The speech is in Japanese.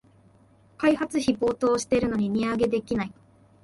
開発費暴騰してるのに値上げできない